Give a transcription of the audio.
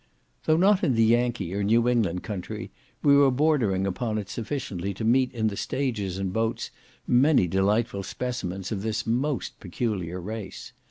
Though not in the Yankee or New England country, we were bordering upon it sufficiently to meet in the stages and boats many delightful specimens of this most peculiar race.